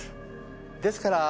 ですから。